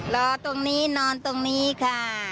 รอตรงนี้นอนตรงนี้ค่ะ